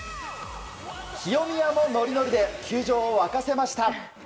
清宮もノリノリで球場を沸かせました。